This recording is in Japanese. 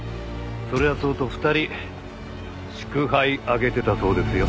それはそうと２人祝杯あげてたそうですよ。